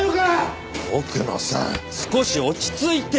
奥野さん少し落ち着いて！